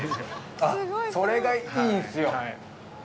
あっ、それがいいんすよ。